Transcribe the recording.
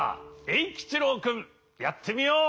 いきちろうくんやってみよう。